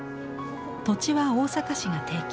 土地は大阪市が提供。